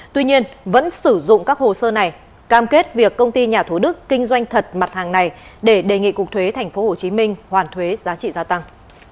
tuy nhiên vẫn sử dụng các hồ sơ này cam kết việc công ty nhà thủ đức kinh doanh thật mặt hàng này để đề nghị cục thuế tp hcm hoàn thuế giá trị gia tăng